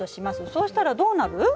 そうしたらどうなる？